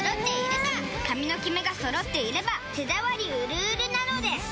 え！？髪のキメがそろっていれば手触りうるうるなのです！